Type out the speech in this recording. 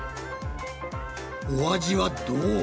お味はどうだ？